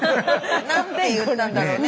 「何て言ったんだろうね？